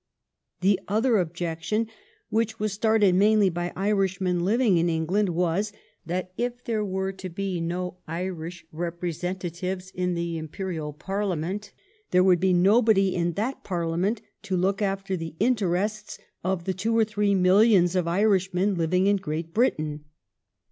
The other objection, which was started mainly by Irishmen living in England, was that if there were to be no Irish representa tives in the Imperial Parliament, there would be nobody in that Parliament to look after the in terests of the two or three millions of Irishmen living in Great Britain.